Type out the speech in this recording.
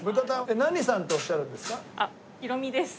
何さんっておっしゃるんですか？